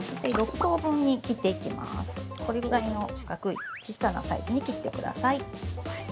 これぐらいの四角い小さなサイズに切ってください。